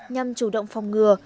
nhằm chủ động phòng ngừa